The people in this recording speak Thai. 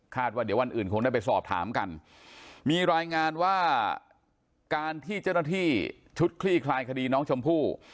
ว่าเดี๋ยววันอื่นคงได้ไปสอบถามกันมีรายงานว่าการที่เจ้าหน้าที่ชุดคลี่คลายคดีน้องชมพู่